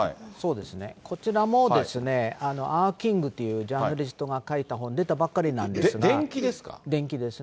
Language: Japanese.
こちらもですね、アワ・キングというジャーナリストが書いた本で、出たばっかりな伝記ですか？